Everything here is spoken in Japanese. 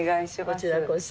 こちらこそ。